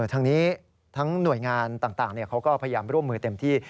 ทั้งนี้ทั้งหน่วยงานต่างเขาก็พยายามร่วมมือเต็มที่